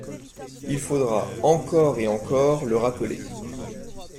Il faudra, encore et encore, le rappeler.